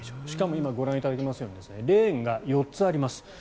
しかも今ご覧いただきましたようにレーンが４つあります。